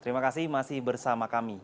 terima kasih masih bersama kami